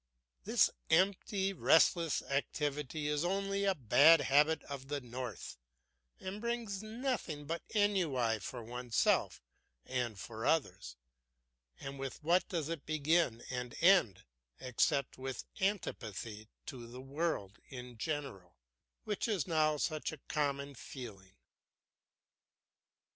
This empty, restless activity is only a bad habit of the north and brings nothing but ennui for oneself and for others. And with what does it begin and end except with antipathy to the world in general, which is now such a common feeling?